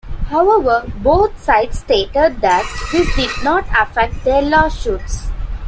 However, both sides stated that this did not affect their lawsuits.